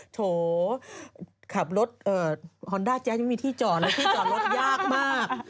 โถโหขับรถเอ่อฮอนดาแจ๊คยังไม่มีที่จอดเนอะที่จอดรถยากมาก